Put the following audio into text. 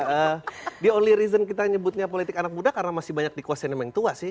the only reason kita nyebutnya politik anak muda karena masih banyak dikuasain yang tua sih